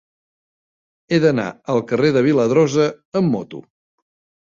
He d'anar al carrer de Viladrosa amb moto.